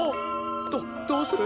どどうする。